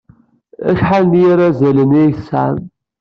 Acḥal n yirazalen ay tesɛam?